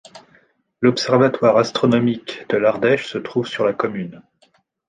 L'observatoire astronomique de l'Ardèche se trouve sur la commune.